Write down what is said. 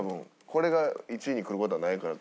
これが１位にくる事はないから。